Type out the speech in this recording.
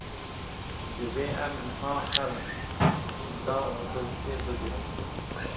Divê em niha herin, da otobusê bigirin.